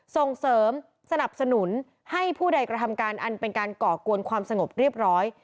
ส่งเสริมสนับสนุนให้ผู้ใดกระทำการอันเป็นการก่อกวนความสงบเรียบร้อย